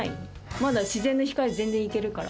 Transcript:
まだ自然の光で全然いけるから。